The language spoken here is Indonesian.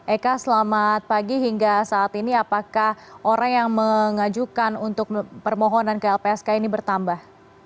eka selamat pagi hingga saat ini apakah orang yang mengajukan untuk permohonan ke lpsk ini bertambah